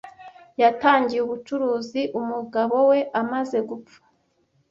Yatangiye ubucuruzi umugabo we amaze gupfa.